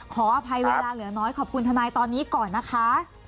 ขออภัยเวลาเหลือน้อยขอบคุณทนายตอนนี้ก่อนนะคะ